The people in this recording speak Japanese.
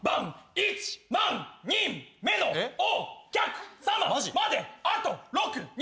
１万人目のお客さま！まであと６人！